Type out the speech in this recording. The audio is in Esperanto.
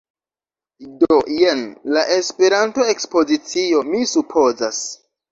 Do, jen la Esperanto-ekspozicio, mi supozas